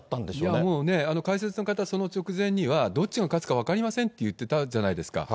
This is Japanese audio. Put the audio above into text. もうね、解説の方、その直前には、どっちが勝つか分かりませんって言ってたじゃないですか。